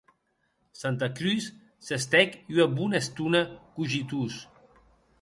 Santa Cruz s’estèc ua bona estona cogitós.